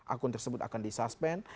akun tersebut akan di suspend